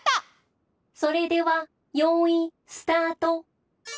「それではよいスタート！」。